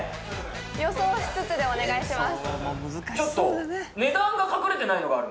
予想しつつでお願いします